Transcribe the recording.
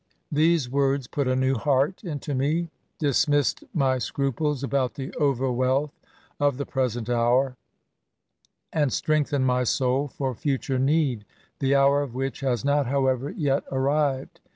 '' These words put a new heart into me, dismissed my scruples about the over wealth of the present hour, and strengthened my soul for ^ture need^ ^ the hour of which has not, however, yet arrived.